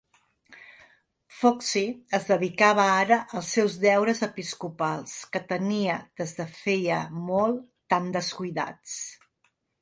Foxe es dedicava ara als seus deures episcopals que tenia des de feia molt tan descuidats.